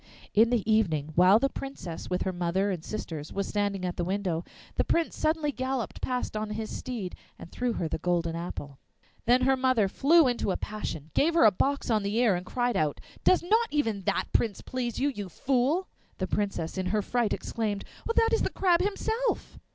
In the evening, while the Princess, with her mother and sisters, was standing at the window, the Prince suddenly galloped past on his steed and threw her the golden apple. Then her mother flew into a passion, gave her a box on the ear, and cried out, 'Does not even that prince please you, you fool?' The Princess in her fright exclaimed, 'That is the Crab himself!